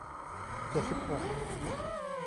เจ็ดสิบหก